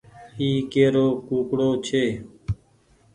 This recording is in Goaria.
اي ڪي رو ڪوڪڙو ڇي۔